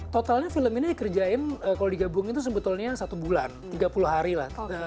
totalnya film ini dikerjain kalau digabungin itu sebetulnya satu bulan tiga puluh hari lah